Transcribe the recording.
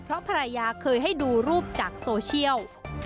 เพราะภรรยาเคยให้ดูรูปจากโซเชียล